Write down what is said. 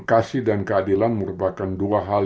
kasih dan keadilan merupakan dua hal